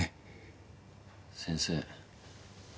先生。